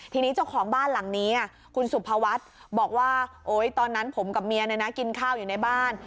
ทีนี้เจ้าของบ้านหลังนี้คุณสุภวัฒน์บอกว่าโอ๊ยตอนนั้นผมกับเมียกินข้าวอยู่ในบ้าน